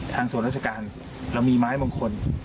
ทางส่วนราชการเรามีไม้มงคล